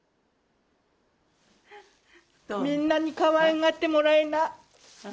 みんなにかわいがってもらいな。